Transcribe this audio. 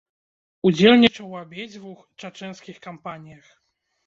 Удзельнічаў у абедзвюх чачэнскіх кампаніях.